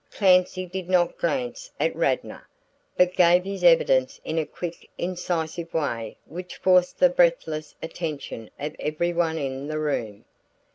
Clancy did not glance at Radnor, but gave his evidence in a quick incisive way which forced the breathless attention of every one in the room.